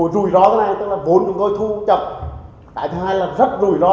chúng tôi không bắt gì cả